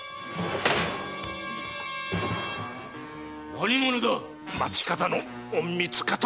何者だ⁉町方の隠密かと！